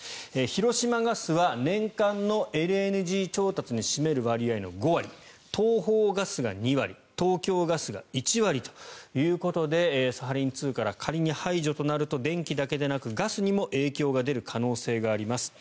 広島ガスは年間のＬＮＧ調達に占める割合の５割東邦ガスが２割東京ガスが１割ということでサハリン２から仮に排除となると電気だけでなくガスにも影響が出る可能性があります。